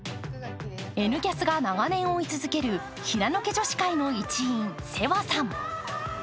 「Ｎキャス」が長年追い続ける平野家女子会の一員、世和さん。